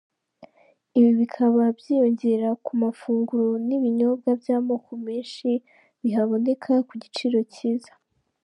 Ibi bikaba byiyongera ku mafunguro n’ibinyobwa by’amoko menshi bihaboneka ku giciro cyiza.